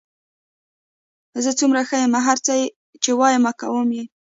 زه څومره ښه یم، هر څه چې وایې کوم یې.